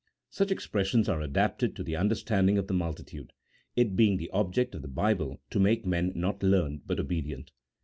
Such expressions are adapted to the under standing of the multitude, it being the object of the Bible to make men not learned but obedient.